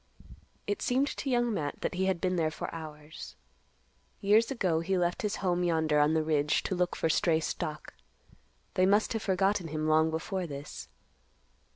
It seemed to Young Matt that he had been there for hours. Years ago he left his home yonder on the ridge, to look for stray stock. They must have forgotten him long before this.